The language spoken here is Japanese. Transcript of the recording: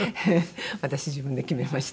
私自分で決めました。